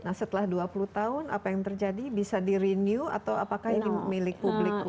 nah setelah dua puluh tahun apa yang terjadi bisa di renew atau apakah ini milik publik